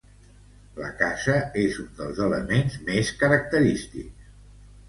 La caça és un dels elements més característics.